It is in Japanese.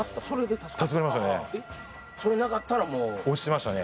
助かりましたねそれなかったらもう落ちてましたね